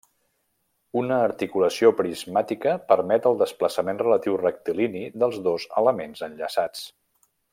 Una articulació prismàtica permet el desplaçament relatiu rectilini dels dos elements enllaçats.